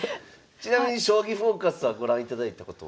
ちなみに「将棋フォーカス」はご覧いただいたことは？